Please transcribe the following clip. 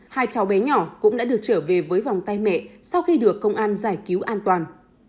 hai cháu bé nhỏ cũng đã được trở về với vòng tay mẹ sau khi được công an giải cứu an toàn